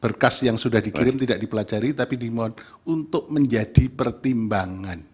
berkas yang sudah dikirim tidak dipelajari tapi dimohon untuk menjadi pertimbangan